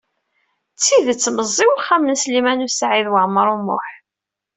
D tidet, meẓẓi uxxam n Sliman U Saɛid Waɛmaṛ U Muḥ.